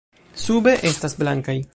Sube estas blankaj.